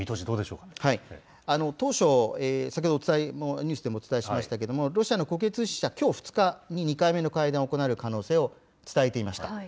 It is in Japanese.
どう当初、先ほど、ニュースでもお伝えしましたけれども、ロシアの国営通信社、きょう、２回目の会談が行われる可能性を伝えていました。